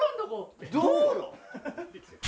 道路？